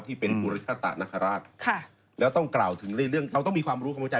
ที่เป็นกุริชตะนคราชค่ะแล้วต้องกล่าวถึงในเรื่องเราต้องมีความรู้ความเข้าใจ